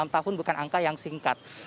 enam tahun bukan angka yang singkat